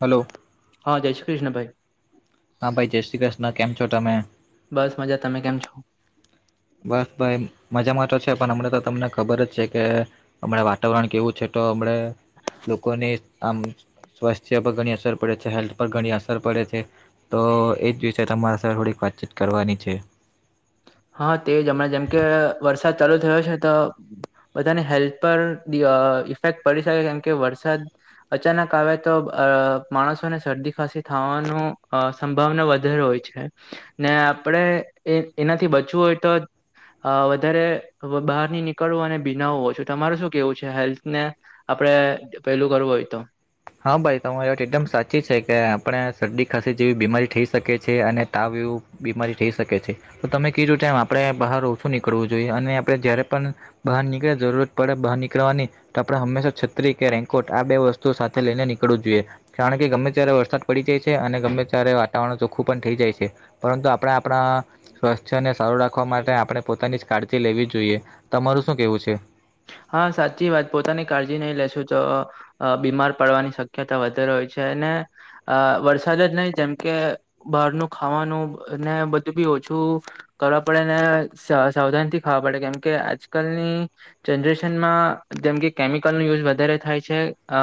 Hello! હા જય શ્રી કૃષ્ણ ભાઈ. હા ભાઈ જય શ્રી કૃષ્ણ કેમ છો તમે? બસ મજા. તમે કેમ છો? બસ ભાઈ મજામાં તો છે પણ અમણાં તો તમને ખબર જ છે કે અમણાં વાતાવરણ કેવું છે તો અમણે લોકોને આમ સ્વાસ્થ્ય પર ઘણી અસર પડે છે હેલ્થ પર ઘણી અસર પડે છે. તો એ જ વિશે તમારા સાથે થોડીક વાતચીત કરવાની છે. હા તે જ અમણાં જેમ કે વરસાદ ચાલુ થયો છે તો બધાને હેલ્થ પર ઇફેક્ટ પડી શકે કેમકે વરસાદ અચાનક આવે તો અ માણસોને શરદી ખાંસી થાવાનું અ સંભાવના વધારે હોય છે. ને આપણેે એ એનાથી બચવું હોય તો અ વધારે બાર ની નીકળવું અને ભીનાનું ઓછું તમારું શું કેવું છે હેલ્થને આપડે પેલું કરવું હોય તો. હા ભાઈ તમારી વાત એકદમ સાચી છે કે આપણે શરદી ખાંસી જેવી બીમારી થઈ શકી છે. અને તાવ એવું બીમારી થઈ શકે છે. તો તમે કીધું તેમ આપણે બહાર ઓછું નીકળવું જોઈએ. અને આપણે જ્યારે પણ બહાર નીકળ્યા જરૂરત પડે બહાર નીકળવાની તો આપણે હંમેશા છત્રી કે રેન્કોટ આ બે વસ્તુઓ સાથે થે લઈને નીકળવું જોઈએ. કારણ કે ગમે ત્યારે વરસાદ પડી જાય છે. અને ગમે ત્યારે વાતાવરણ ચોખ્ખું પણ થઈ જાય છે. પરંતુ આપણે આપણા સ્વાસ્થ્યને સારું રાખવા માટે આપણે પોતાની જ કાળજી લેવી જોઈએ. તમારું શું કેવું છે? હા સાચી વાત પોતાની કાળજી નઈ લેશું તો અ બીમાર પડવાની શક્યતા વધારે હોય છે. અને અ વરસાદ જ નઈ જેમ કે બહારનું ખાવાનું એને બધું બી ઓછું કરવા પડે અને સા સાવધાન થી ખાવા પડે કેમકે આજકાલની જનરેશનમાં જેમ કે કેમિકલનો યુઝ વધારે થાય છે. અ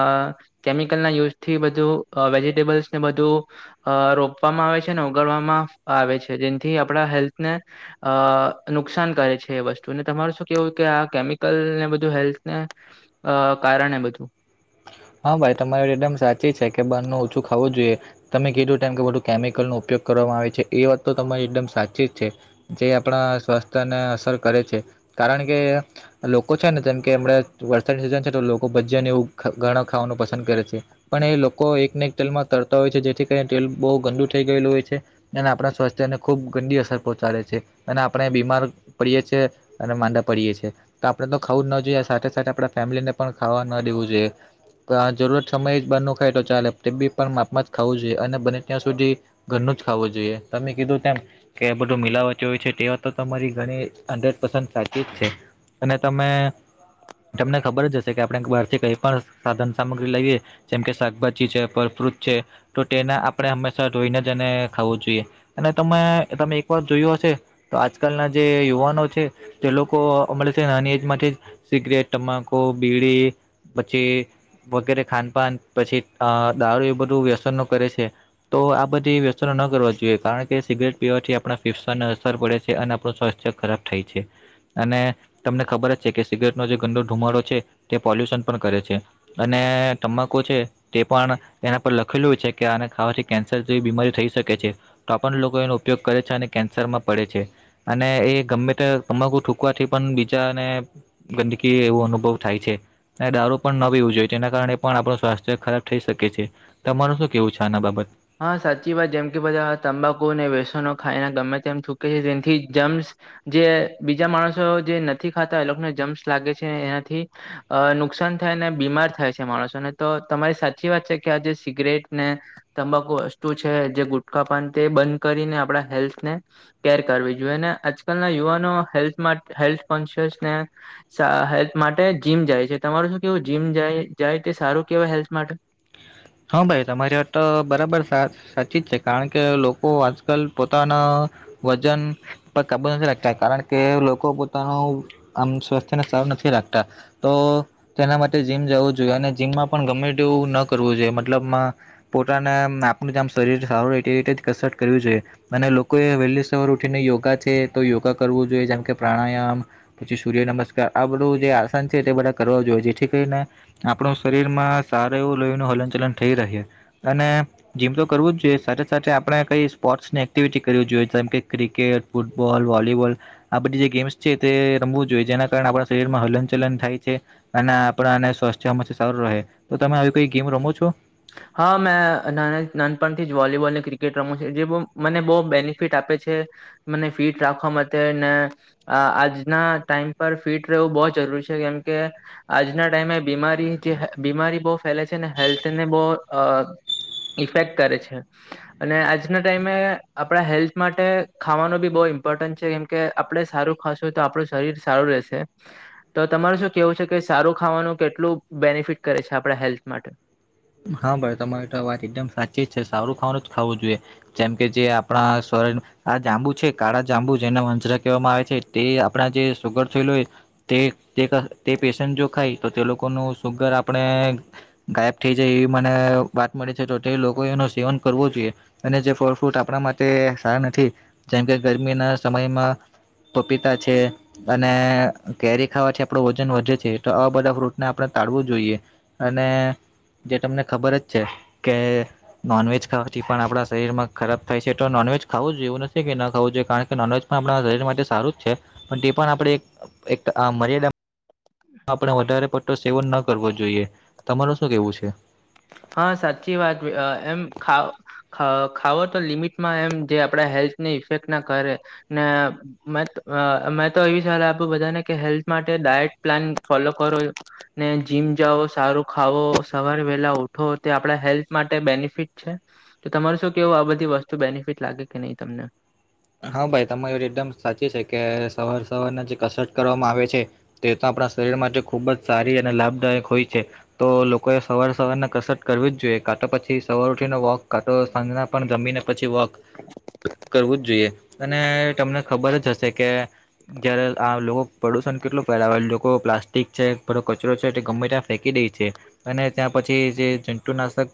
કેમિકલના યુઝથી બધું અ વેજીટેબલ્સ ને બધું અ રોપવામાં આવે છે. અને ઉગાડવામાં આવે છે. જેનાથી આપણા હેલ્થને અ નુકસાન કરે છે એ વસ્તુ. અને તમાર શું કેવું કે આ કેમિક કલ ને બધું હેલ્થને અ કારણે બધું. હા ભાઈ તમારી એકદમ સાચી છે કે બારનુ ઓછું ખાવું જોઈએ. તમે કીધું તેમ કે બધું કેમિકલનો ઉપયોગ કરવામાં આવે છે એ વાત તો તમારી એકદમ સાચી જ છે. જે આપણા સ્વાસ્થ્યને અસર કરે છે. કારણ કે લોકો છે ને જેમ કે એમણે વરસાદની સિઝન છે તો લોકો ભજિયા ને એવું ઘ ઘણા ખાવાનું પસંદ કરે છે. પણ એ લોકો એકને એક તેલમાં તરતા હોય છે જેથી કરીને તેલ બહુ ગંદુ થઈ ગયેલું હોય છે. અને આપણા સ્વાસ્થ્યને ખુબ ગંડી અસર પહોંચાડે છે અને આપણે બીમાર પડીએ છે અને માંદા પડીએ છે. તો આપડણે તો ખાવું ના જોઈએ સાથે સાથે આપડા ફેમિલી ને પણ ખાવા ના દેવું જોઈએ. તો જરૂરત સમય જ બાર નું ખાય તો ચાલે તે બી પણ માપમાં જ ખાવું જોઈએ અને બને ત્યાં સુધી ઘરનું જ ખાવું જોઈએ તમે કીધું તેમ. કે બધું મિલાવતી હોય છે તે વાત તો તમારી ઘણી હંડ્રેડ પરસેન્ટ સાચી જ છે. અને તમે તમને ખબર જ હશે કે આપણે બહારથી કઈ પણ સાધન સામગ્રી લઈએ જેમ કે શાકભાજી છે ફલ ફ્રુટ છે. તો તેના આપણે હંમેશા ધોઈનેજ એને ખાવું જોઈએ અને તમે તમે એક વાર જોયું હશે તો આજકાલ ના જે યુવાનો છે તે લોકો હમણા નાની એજ માથી સિગરેટ તમાકુ બીડી પછી વગેરે ખાનપાન પછી દારૂ એ બધું વ્યસન નો કરે છે તો આ બધી વ્યચનો ન કરવા જોઈએ કારણ કે સિગરેટ પીવાથી આપણા ફેફસાને અસર પડે છે અને આપણું સ્વાસ્થ્ય ખરાબ થાય છે અને તમને ખબર જ છે કે સિગરેટનો જે ગંદો ધુમાડો છે તે પોલ્યુશન પણ કરે છે અને તમાકુ છે તે પણ એના પર લખેલુંય છે કે આને ખાવાથી કેન્સર જેવી બીમારી થઈ શકે છે તો પણ લોકો એનો ઉપયોગ કરે છે અને કેન્સર માં પડે છે અને એ ગમે તે તમાકું થૂકવાથી પણ બીજાને ગંદકી એવો અનુભવ થાય છે અને દારૂ પણ નવી જો તેના કારણે પણ આપણું સ્વાસ્થ્ય ખરાબ થઈ શકે છે તમાર શું કેવું છે આના બાબત હા સાચી વાત જેમ કે બધા તંબાકુ અને વ્યસનો ખાઈને ગમે તેમ થુંકે છે જેથી જેમ જે બીજા માણસો જે નથી ખાતા એ લોકોને જમ્સ લાગે છે એનાથી અ નુકસાન થાય ને બીમાર થાય છે માણસોને તો તમારી સાચી વાત છે કે આજે સિગરેટ ને તમાકુ વસ્તુ છે જે ગુટખા પાન તે બંધ કરીને આપણા હેલ્થ ને કેર કરવી જોઈએ ને આજકાલના યુવાનો હેલ્થ હેલ્થ કોન્શિયસને હેલ્થ માટે જીમ જાય છે તમારું શું કેવું જીમ જાય જાય તે સારું કેવાય હેલ્થ માટે હા ભાઈ તમારી વાત તો બરાબર સાચી જ છે કારણ કે લોકો [unintelligible] પોતાના વજન પર કબજ નથી રાખતા કારણ કે લોકો પોતાનું આમ સ્વાસ્થ્યને સારુ નથી રાખતા તો તેના માટે જીમ જવું જોઈએ અને જીમમાં પણ ગમે તેવું ન કરવું જોઈએ મતલબમાં પોતાના આપણું જે આમ શરીર સારું રહે એ રીતે જ કસરત કરવી જોઈએ અને લોકોએ વહેલી સવાર ઉઠીને યોગા છે તો યોગા કરવું જોઈએ જેમ કે પ્રાણાયામ પછી સૂર્ય નમસ્કાર આ બધું જે આસન છે તે બધા કરવા જોઈએ જેથી કરી ને આપણું શરીરમાં સારું એવું લોહી નું હલનચલન થઈ રહે અને જીમ તો કરવું જ જોઈએ સાથે સાથે આપણે કઈ સ્પોર્ટ્સની એક્ટિવિટી કરવી જોઈએ જેમ કે ક્રિકેટ ફૂટબોલ વોલીબોલ આ બધી જે ગેમ્સ છે તે રમવું જોઈએ જેના કારણે આપણે શરીરમાં હલન ચલન થાય છે અને આપણા અને સ્વાસ્થ્ય સારું રહે તો તમે આવી કોઈ ગેમ રમો છો હા મેં નાનપણથી જ વોલીબોલ ને ક્રિકેટ રમું છે જે બ મને બહુ બેનિફિટ આપે છે મને ફિટ રાખવા માટે ને અ આજના ટાઈમ પર ફીટ રહેવું બહું જરૂરી છે કેમ કે આજના ટાઈમે બીમારી જે બીમારી બહુ ફેલે છે ને હેલ્થને બહું અ ઇફેક્ટ કરે છે અને આજના ટાઈમે આપણા હેલ્થ માટે ખાવાનો બી બહુ ઇમ્પોર્ટન્ટ છે કે આપડણે સારું ખાશું તો આપણું શરીર સારું રહેશે તો તમારે શું કેવું છે કે સારું ખાવાનું કેટલું બેનિફિટ કરે છે આપણા હેલ્થ માટે હા ભાઈ તમારી તો વાત એકદમ સાચી જ છે સારું ખાવાનું જ ખાવું જોઈએ જેમકે જે આપણા સ્વ આ જાંબુ છે કાળા જાંબુ જેના વંજરા કેહેવામાં આવે છે તે આપણા જે સુગર થયેલો હોય તે તે તે પેશન્ટ જો ખાય તો તે લોકોનું શુગર આપણે ગાયબ થઈ જાય એવી મને વાત મળી છે તો તે લોકોએ એનું સેવન કરવો જોઈએ. અને જે ફળ ફ્રૂટ આપણા માટે સારા નથી જેમ કે ગરમીના સમયમાં પપીતા છે અને કેરી ખાવાથી આપડો વજન વધે છે તો આવા બધા ફ્રૂટને આપડે તાળવું જોઈએ. અને જે તમને ખબર જ છે કે નોનવેજ ખાવાથી પણ આપણા શરીરમાં ખરાબ થાય છે તો નોનવેજ ખાવું જોઈએ એવું નથી કે ન ખાવું જોઈએ કારણ કે નોનવેજ પણ આપડા શરીર માટે સારું જ છે પણ તે પણ આપડે એક એક અ મર્યાદા આપણે વધારે પટ્ટો સેવન ન કરવો જોઈએ તમારુ શું કેવું છે? હા સાચી વાત વે અ એમ ખા ખ ખાવો તો લિમિટમાં એમ જે આપડા હેલ્થને ઇફેક્ટ ના કરે ને મેત અ મેં તો એવી સલાહ આપું બધાને કે હેલ્થ માટે ડાયટ પ્લેન ફોલો કરો ને જીમ જાઓ, સારું ખાવો, સવારે વેલા ઉઠ ઠો તે આપડા હેલ્થ માટે બેનિફિટ છે. તો તમારું શું કેવું આ બધી વસ્તુ બેનિફિટ લાગે કે નહીં તમને? હા ભાઈ તમારી રિધમ સાચી છે કે સવાર સવારના જે કસરત કરવામાં આવે છે તે તો આપડા શરીર માટે ખુબ જ સારી અને લાભદાયક હોય છે. તો લોકોએ સવાર સવારના કસરત કરવી જ જોઈએ કાંતો પછી સવાર ઉઠીને વોક કાંતો સાંજના પણ જમીને પછી વોક કરવું જ જોઈએ. અને તમને ખબર જ હશે કે જયારે આ લોક પ્રદુષણ કેટલું ફેલાવે લોકો પ્લાસ્ટિક છે પેલો કચરો છે તે ગમે ત્યાં ફેંકી દઈ છે. અને ત્યાં પછી જે જંતુ નાશક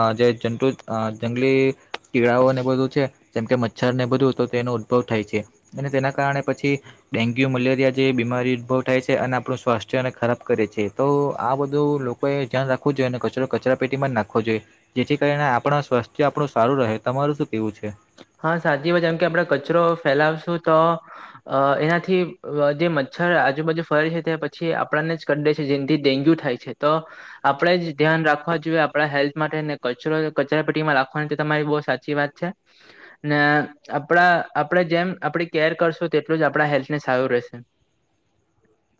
અ જે જંતુ અ જંગલી કીડાઓને બધું છે જેમ કે મછ છર ને બધું તો તેનો ઉદભવ થાય છે અને તેના કારણે પછી ડેન્ગ્યુ મલેરિયા જેવી બીમારી ઉદ્ભવ થાય છે અને આપડુ સ્વાસ્થ્યને ખરાબ કરે છે તો આ બધું લોકોએ ધ્યાન રાખવું જ જોઈએ અને કચરો કચરા પેટીમાં જ નાખ વો જોઈએ જેથી કરીને આપડા સ્વસ્થ્ય આપણું સારું રહે, તમારું શું કેવું છે? હા સાચી વાત જેમ કે આપડે કચરો ફેલાવશું તો અ એનાથી અ જે મચ્છર આજુબાજુ ફરે છે તે પછી આપણને જ કરડે છે જેનથી ડેન્ગ્યુ થાય છે તો આપડે જ ધ્યાન રાખવા જોઈએ આપડા હેલ્થ માટે ને કચરો કચરા પેટીમાં રાખવાની તે તમારી બઉ સાચી વાત છે. [inaudible] ને આપડા આપડે જેમ આપડી કેર કરશું તેટલું જ આપડા હેલ્થને સારું રહેશે.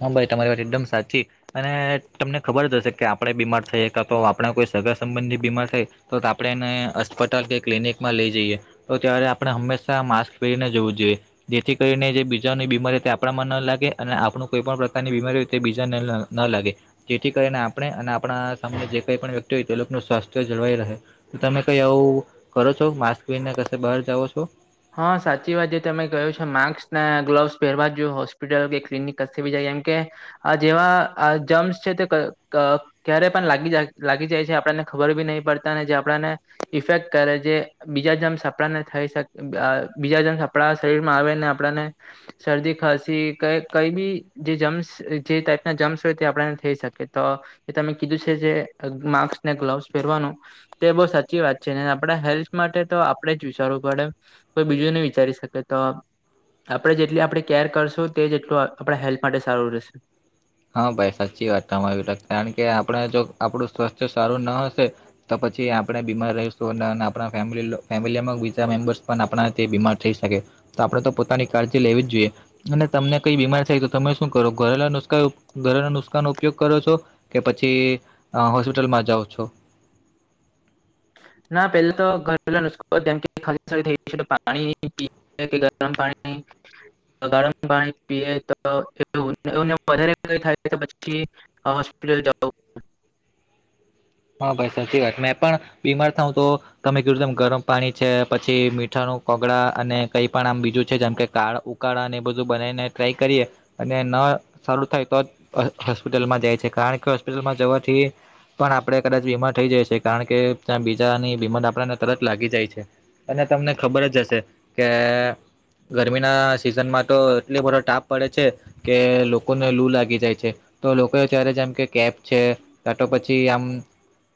હા ભાઈ તમારી વાત એકદમ સાચી અને તમને ખબર જ હશે કે આપડે બીમાર થઈએ કાતો આપડા કોઈ સગા સંબંધી બીમાર થાય તો તાપડે એને અસ્પટલ કે ક્લિનિકમાં લઈ જઈએ. તો ત્યારે આપણે હંમેશા માસ્ક પેરીને જવું જોઈએ. જેથી કરીને જે બીજાની બીમારી તે આપડામાં ન લાગે અને આપણું કોઈ પણ પ્રકારની બીમારી હોય તે બીજાને ન ન લાગે. જેથી કરીને આપણે અને આપણા સામે જે કાઈ પણ વ્યક્તિ હોય તે લોક સ્વાસ્થ્ય જળવાઈ રહે. તો તમે કઈ આવું કરો છો માસ્ક પેરીને કશે બહાર જાઓ છો? હા સાચી વાત જે તમે કહ્યું છે માસ્ક ના ગ્લોવસ પેહેરવા જ જો હોસ્પિટલ કે ક્લિનિક કસે બી જાય કેમ કે આ જેવા આ જમ્સ છે તે ક ક ક્યારે પણ લાગી જ લાગી જાય છે આપણને ખબર બી નહી પડતા ને જે આપડાને ઇફેક્ટ કરે જે બીજા જમસ આપડાને થઈ શક અ બીજા જમસ આપણા શરીર માં આવે ને આપડાને શરદી ખાંસી કઈ કઈ બી જે જમ્સ જે ટાઈપના જમ્સ હોય તે આપડાને થઈ શકે તો જે તમે કીધું છે જે માસ્ક ને ગ્લોવસ પહેરવાનું તે બહુ સાચી વાત છે ને આપણા હેલ્થ માટે તો આપડણે જ વિચારવું પડે. કોઈ બીજું નહી વિચારી શકે તો આપણે જેટલી આપણે કેર કરશું તે જેટલું આપણા હેલ્થ માટે સારું રહેશે. હા ભાઈ સાચી વાત તમા આવી લ કારણ કે આપણે જો આપણું સ્વાસ્થ્ય સારું ના હશે તો પછી આપણે બીમાર રહીશું આપ ફેમ ફેમિલીમાં બીજા મેમ્બર્સ પણ આપણા બીમાર થઈ શકે. તો આપણે તો પોતાની કાળજી લેવી જ જોઈએ અને તમને કઈ બીમાર થાય તો તમે શું કરો ઘરેલા નુસ્ખા ઘરેના નુસ્કાાનો ઉપયોગ કરો છો કે પછી હોસ્પિટલમાં જાઓ છો ના પેલા તો ઘરેલો નુસ્ખોમ કે ખાલી સ થઈ ગ પાણી ગરમ પાણી ગામ પાણી પીએ તો વધારે થાય પછી હ હસ્પિટલ જ હા ભાઈ સાચી વાત મેં પણ બીમાર થાઉ તો, તમે કહ્યું તેમ ગરમ પાણી છે પછી મીઠાના કોગળા અને કઈ પણ આમ બીજું છે જેમ કે કાળ, ઉકાળાને એ બધું બનાવીને ટ્રાય કરીએ અને ન સારું થાય તો જ, હોસ્પિટલમાં જાય છે કારણ કે હોસ્પિટલમાં જવાથી પણ, આપણે કદાચ બીમાર થઈ જઈ કારણ કે ત્યા બીજાની બીમારી આપણે તરત લાગી જાય છે. અને તમને ખબર જ હશે કે, ગરમીના સિઝનમાં તો એટલો બધો તાપ પડે છે. કે લોકોને લૂ લાગી જાય છે. તો લોકો એ ત્યારે છે એમ કે કેબ છે તો પછી આમ,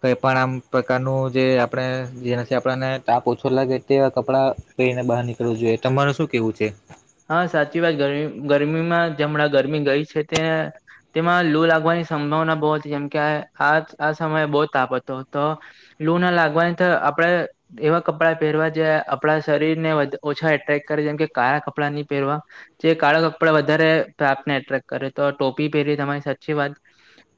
કઈ પણ આમ પ્રકારનું જે આપણે જેનાથી આપણને તાપ ઓછો લાગે તે કપડા, પહેરીને બહાર નીકળવું જોઈએ તમારે શું કેવું છે. હા સાચી વાત ગરમી ગરમીમાં જેમણાં ગરમી ગઈ છે તે, તેમાં લુ લાગવાની સંભાવના બહુ હતી જેમ કે આ આ સમયે બહુ તાપ હતો તો, લૂ ના લાગવાની તો આપણેે, એવા કપડાં પહેરવા જે આપણા શરીર ને ઓછા એટ્રેક્ટ કરે જેમ કે કાળા કપડાં નહી પહેરવા. જે કાળા કપડા વધારે તાપને એટ્રેક્ટ કરે તો ટોપી પહેરી તમારી સાચી વાત.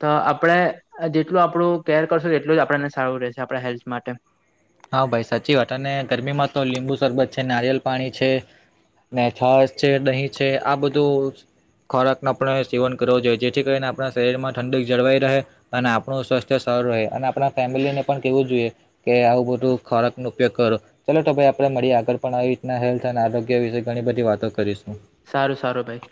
તો આપણે જેટલું આપણું કેર કરશો એટલું જ આપણને સારું રહેશે આપણા હેલ્થ માટે. હા ભાઈ સાચી વાત અને ગરમીમાં તો લીંબુ શરબત છે નારિયલ પાણી છે. મેઠ છે દહીં છે આ બધું, ખોરાક નો આપણે સેવન કરવો જોઈએ જેથી કરીને આપણા શરીર માં ઠંડક જળવાઈ રહે. અને આપણું સ્વસ્થ સરું રહે અને આપણા ફેમિલી ને પણ કેવું જોઈએ કે આવું બધું, ખોરાકનો ઉપયોગ કરો. ચાલલો તો ભાઈ આપડે મળીએ આગળ પણ આવી રીતના હેલ્થ ઘોઅને આરોગ્ય વિશે ઘણી બધી વાતો કરીશું. સારું સારું ભાઈ.